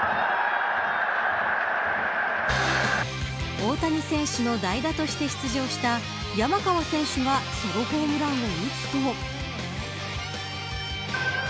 大谷選手の代打として出場した山川選手がソロホームランを打つと。